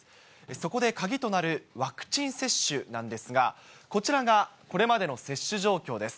そこで鍵となるワクチン接種なんですが、こちらがこれまでの接種状況です。